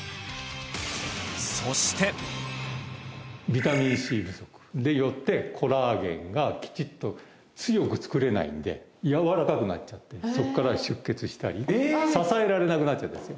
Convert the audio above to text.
そしてビタミンＣ不足によってコラーゲンがきちっと強く作れないんでやわらかくなっちゃってそっから出血したり支えられなくなっちゃうんですよ